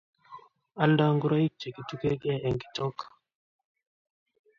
Aaldei ngoroik che kitugengei eng' kitok